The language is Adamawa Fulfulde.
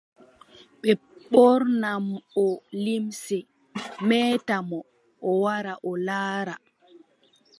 Ɓe ɓorna oo limce, meeta mo, o wara o laara.